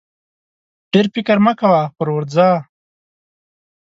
ډېر فکر مه کوه پر ورځه!